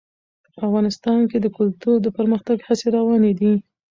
افغانستان کې د کلتور د پرمختګ هڅې روانې دي.